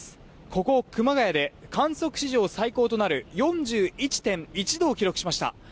ここ熊谷で観測史上最高となる４１．１度を記録しました。